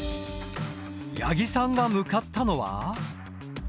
八木さんが向かったのは。